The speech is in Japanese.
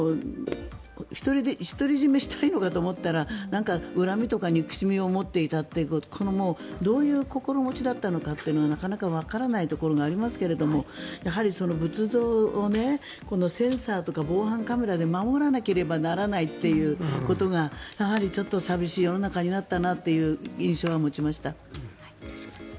１人占めしたいのかと思ったら恨みとか憎しみを持っていたというどういう心持ちだったのかってなかなかわからないところがありますが、仏像をこのセンサーとか防犯カメラで守らなければならないということがやはり寂しい世の中になったなという印象は持ちました。